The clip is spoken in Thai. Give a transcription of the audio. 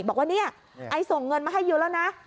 บอกว่าเนี่ยไอ้ส่งเงินมาให้ยูแล้วนะ